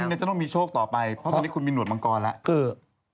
จะต้องมีโชคต่อไปเพราะตอนนี้คุณมีหวดมังกรแล้ว